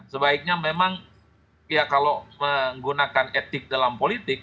sebaiknya memang ya kalau menggunakan etik dalam politik